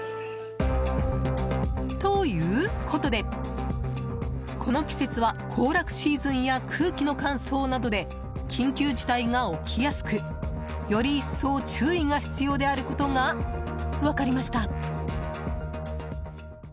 ということで、この季節は行楽シーズンや空気の乾燥などで緊急事態が起きやすく、より一層注意が必要であることが分かりました。